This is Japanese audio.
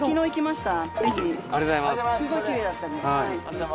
すごいきれいだったんで。